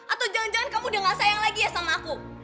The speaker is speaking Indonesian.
atau jangan jangan kamu udah gak sayang lagi ya sama aku